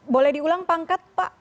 boleh diulang pangkat pak